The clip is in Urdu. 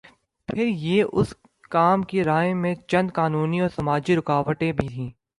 پھر یہ کہ اس کام کی راہ میں چند قانونی اور سماجی رکاوٹیں بھی ہیں۔